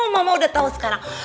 mama udah tahu sekarang